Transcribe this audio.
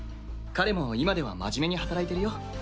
彼も今では真面目に働いてるよ。